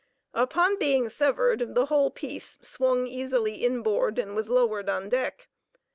Upon being severed the whole piece swung easily inboard and was lowered on deck.